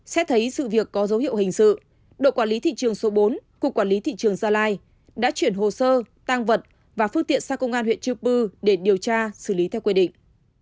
xét thấy sự việc có dấu hiệu hình sự đội quản lý thị trường số bốn cục quản lý thị trường gia lai đã chuyển hồ sơ tăng vật và phương tiện sang công an huyện chư pư để điều tra xử lý theo quy định